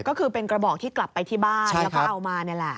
ก็คือเป็นกระบอกที่กลับไปที่บ้านแล้วก็เอามานี่แหละ